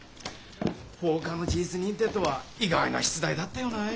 放火の事実認定とは意外な出題だったよない。